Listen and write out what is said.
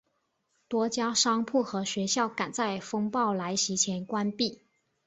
多家商铺和学校赶在风暴来袭前关闭。